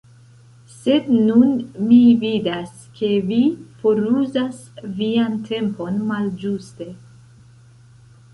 Sed nun mi vidas ke vi foruzas vian tempon malĝuste.